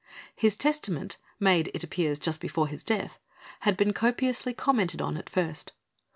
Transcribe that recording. His testament, made, it appears, just before his death, had been copiously commented on at first.